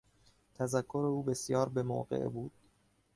تذکر او بسیار به موقع بود.